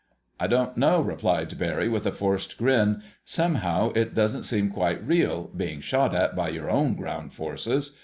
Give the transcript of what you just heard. "I don't know," replied Barry with a forced grin. "Somehow it doesn't seem quite real, being shot at by your own ground forces.